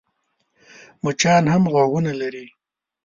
مچان هم غوږونه لري .